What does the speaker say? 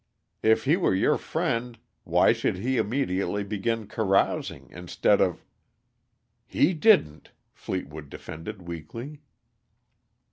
If he were your friend, why should he immediately begin carousing, instead of " "He didn't," Fleetwood defended weakly.